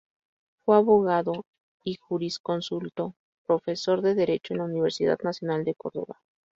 Fue abogado y jurisconsulto, profesor de Derecho en la Universidad Nacional de Córdoba.